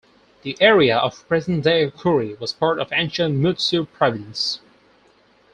The area of present-day Koori was part of ancient Mutsu Province.